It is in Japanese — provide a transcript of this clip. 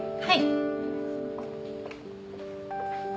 はい。